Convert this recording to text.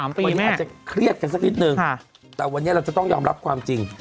คนอาจจะเครียดกันสักนิดนึงแต่วันนี้เราจะต้องยอมรับความจริง